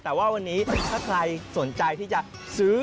แต่ว่าวันนี้ถ้าใครสนใจที่จะซื้อ